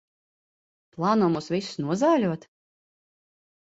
Plāno mūs visus nozāļot?